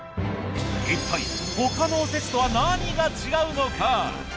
いったい他のおせちとは何が違うのか？